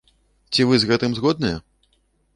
Ці вы з гэтым згодныя?